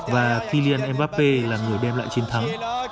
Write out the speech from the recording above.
và kylian mbappé là người đem lại chiến thắng